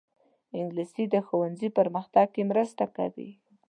انګلیسي د ښوونځي پرمختګ کې مرسته کوي